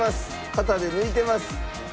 型で抜いてます。